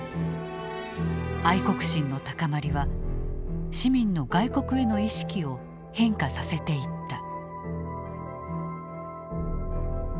愛国心の高まりは市民の外国への意識を変化させていった。